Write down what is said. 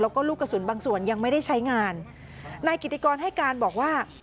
แล้วก็ลูกกระสุนบางส่วนยังไม่ได้ใช้งานนายกิติกรให้การบอกว่า